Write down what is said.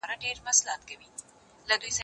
زه مخکي ونې ته اوبه ورکړې وې؟